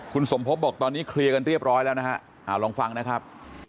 คุณสมพบบอกตอนนี้เคลียร์กันเรียบร้อยแล้วนะฮะลองฟังนะครับ